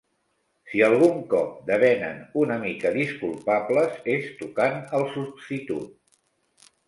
Si algun cop de venen una mica disculpables, és tocant al substitut.